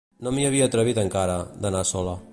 No m'hi havia atrevit encara, d'anar sola.